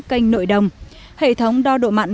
kênh nội đồng hệ thống đo độ mặn